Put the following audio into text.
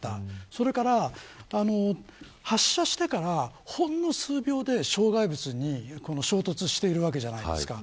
それから、発車してからほんの数秒で障害物に衝突しているわけじゃないですか。